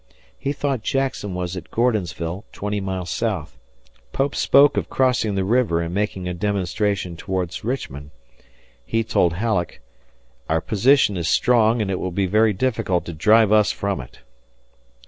He thought Jackson was at Gordonsville, twenty miles south. Pope spoke of crossing the river and making a demonstration towards Richmond; he told Halleck "our position is strong and it will be very difficult to drive us from it."